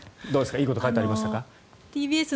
いいこと書いてありました？